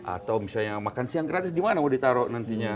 atau misalnya makan siang gratis gimana mau ditaruh nantinya